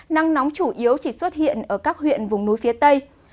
nắng nóng chủ yếu chỉ xuất hiện ở các huyện vùng núi phía tây